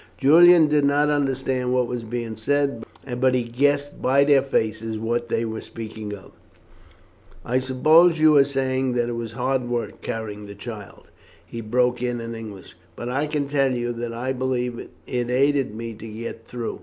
Julian did not understand what was being said, but he guessed by their faces what they were speaking of. "I suppose you are saying that it was hard work carrying the child," he broke in in English; "but I can tell you that I believe it aided me to get through.